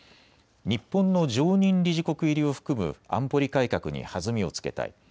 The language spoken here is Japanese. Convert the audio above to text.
日本の常任理事国入りを含む安保理改革に弾みをつけたい。